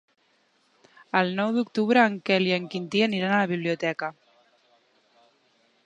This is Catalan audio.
El nou d'octubre en Quel i en Quintí aniran a la biblioteca.